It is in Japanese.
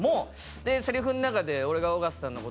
でセリフの中で俺が尾形さんのこと